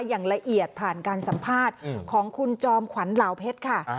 อย่างละเอียดผ่านการสัมภาษณ์ของคุณจอมขวัญเหล่าเพชรค่ะ